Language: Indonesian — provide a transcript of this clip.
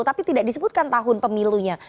tapi tidak disebutkan tahun pemilunya